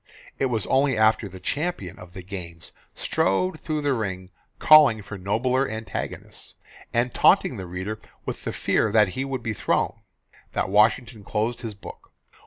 It was only after the champion of the games strode through the ring calling for nobler antagonists, and taunting the reader with the fear that he would be thrown, that Washington closed his book.